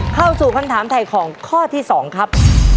เข้าสู่คำถามถ่ายของข้อที่๒ครับ